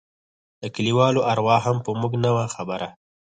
د كليوالو اروا هم په موږ نه وه خبره.